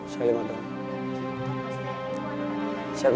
saya usia lima tahun